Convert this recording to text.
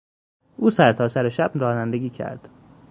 او سرتاسر شب رانندگی کرد.